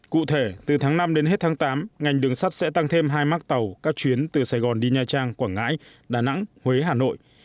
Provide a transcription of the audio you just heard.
cụ thể từ tháng năm đến hết tháng tám ngành đường sắt sẽ tăng thêm hai mác tàu các chuyến từ sài gòn đi nha trang quảng ngãi đà nẵng huế hà nội